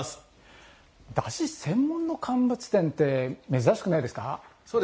だし専門の乾物店って珍しくないですか。